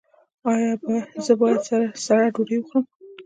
ایا زه باید سړه ډوډۍ وخورم؟